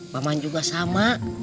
baman juga sama